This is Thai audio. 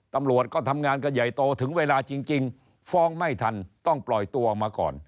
ตำรวจก็ทำงานกันใหญ่โตถึงเวลาจริงฟ้องไม่ทันต้องปล่อยตัวออกมาก่อน